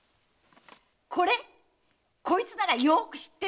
これ⁉こいつならよく知ってるよ！